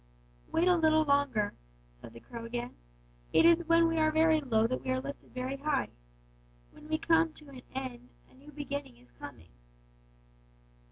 "'Wait a little longer,' said the crow again; 'it is when we are very low that we are lifted very high. When we come to an end a new beginning is coming.'